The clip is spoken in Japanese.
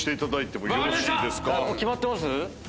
もう決まってます？